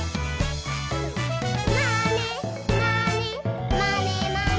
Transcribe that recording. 「まねまねまねまね」